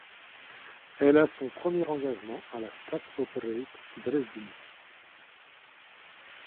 Elle a son premier engagement à la Staatsoperette Dresden.